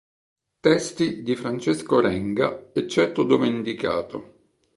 Testi di Francesco Renga, eccetto dove indicato.